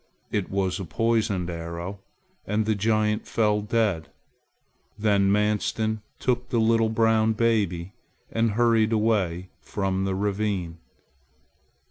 It was a poisoned arrow, and the giant fell dead. Then Manstin took the little brown baby and hurried away from the ravine.